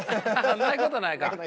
ないことはないか。